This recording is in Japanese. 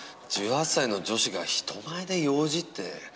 １８歳の女子が人前でようじって。